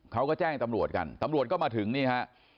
เขาก็แจ้งตำรวจกันตำรวจก็มาถึงนี่ฮะ